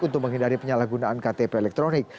untuk menghindari penyalahgunaan ktp elektronik